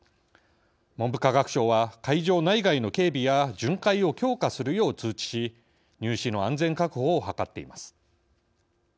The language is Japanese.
文部科学省は会場内外の警備や巡回を強化するよう通知し入試の安全確保を図っています。